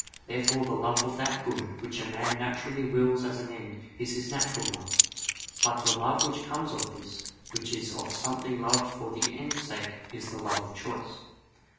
Therefore the love of that good, which a man naturally wills as an end, is his natural love; but the love which comes of this, which is of something loved for the end's sake, is the love of choice.